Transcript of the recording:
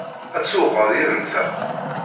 Ad tsewwqeḍ yid-nteɣ?